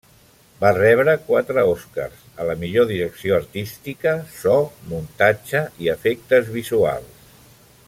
Va rebre quatre Oscars: a la millor direcció artística, so, muntatge i efectes visuals.